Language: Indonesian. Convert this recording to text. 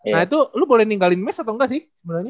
nah itu lu boleh ninggalin mes atau nggak sih